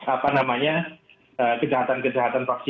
apa namanya kejahatan kejahatan vaksin